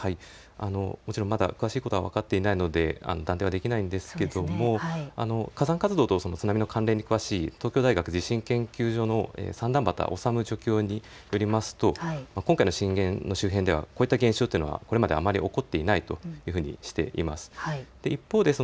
もちろん、まだ詳しいことは分かっていないので断定はできないんですけれども火山活動と津波の関連に詳しい東京大学地震研究所の三反畑修助教によりますと今回の震源の周辺ではこういった現象というのはこれまであまり起こっていないというふうにしています。